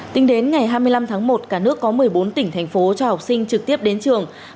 tính đến ngày hai mươi năm tháng một cả nước có một mươi bốn tỉnh thành phố cho học sinh trực tiếp đến trường